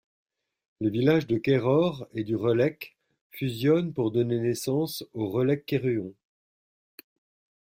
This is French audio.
Les villages de Kerhorre et du Relecq fusionnent pour donner naissance au Relecq-Kerhuon.